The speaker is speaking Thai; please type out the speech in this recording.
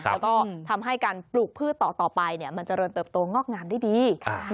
แล้วก็ทำให้การปลูกพืชต่อไปมันเจริญเติบโตงอกงามได้ดี